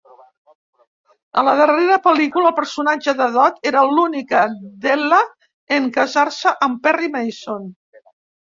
A la darrera pel·lícula el personatge de Dodd era l'única Della en casar-se amb Perry Mason.